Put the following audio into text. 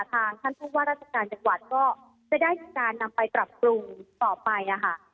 ทางท่านผู้ว่าราชการจังหวัดก็จะได้มีการนำไปปรับปรุงต่อไปค่ะ